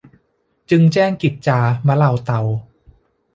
จึงแจ้งกิจจามะเลาเตา